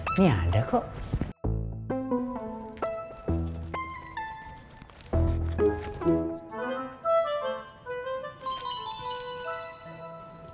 ini ada kok